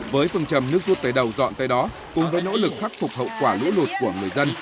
với phương trầm nước rút tới đầu dọn tới đó cùng với nỗ lực khắc phục hậu quả lũ lụt của người dân